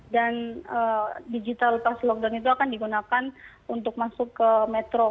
dan digital pas lockdown itu akan digunakan untuk masuk ke metro